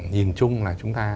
nhìn chung là chúng ta